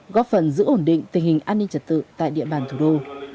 góp phần giữ ổn định tình hình an ninh trật tự tại địa bàn thủ đô